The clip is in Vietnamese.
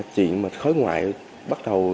chuyện khối ngoại bắt đầu